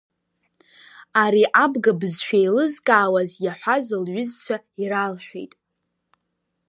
Ари абга бызшәа еилызкаауаз иаҳәаз лҩызцәа иралҳәеит.